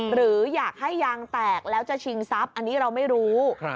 หรืออยากให้ยางแตกแล้วจะชิงทรัพย์อันนี้เราไม่รู้